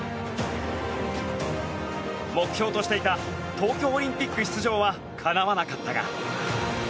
目標としていた東京オリンピック出場はかなわなかったが。